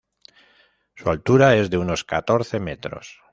Su altura es de unos catorce metros.